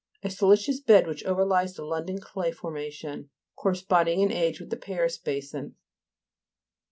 A siliceous bed which overlies the London clay formation, corresponding in age with the Paris basin.